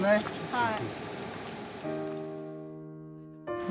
はい。